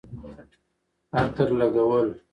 عطر لګول